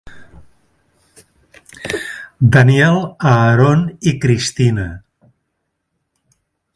Daniel Aaron i Cristina.